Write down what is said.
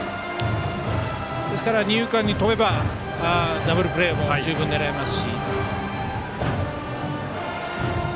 ですから二遊間に飛べばダブルプレーも狙えます。